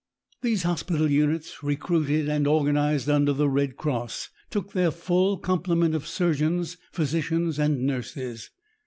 These hospital units, recruited and organized under the Red Cross, took their full complement of surgeons, physicians, and nurses.